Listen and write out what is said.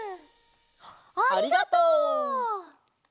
ありがとう。